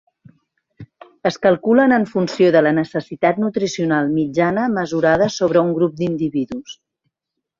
Es calculen en funció de la necessitat nutricional mitjana mesurada sobre un grup d'individus.